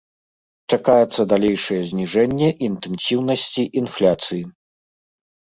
Чакаецца далейшае зніжэнне інтэнсіўнасці інфляцыі.